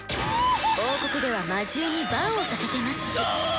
王国では魔獣に番をさせてますし。